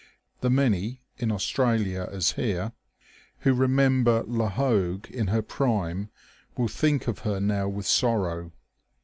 The many, in Australia as here, who remember La Hogue in her prime will think of her now with sorrow.